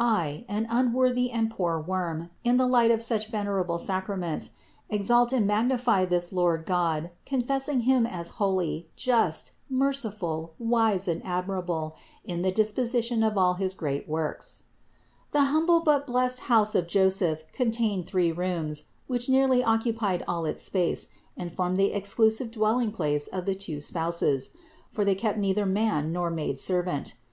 I, an unworthy and poor worm, in the light of such venerable sacraments, exalt and magnify this Lord God, confessing Him as holy, just, merciful, wise and admirable in the disposi tion of all his great works. THE INCARNATION 347 422. The humble but blessed house of Joseph con tained three rooms, which occupied nearly all its space and formed the exclusive dwelling place of the two Spouses ; for they kept neither a man nor a maid servant.